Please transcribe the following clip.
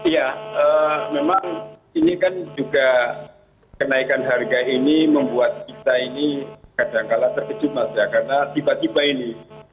ya memang ini kan juga kenaikan harga ini membuat kita ini kadangkala terkejut mas ya karena tiba tiba ini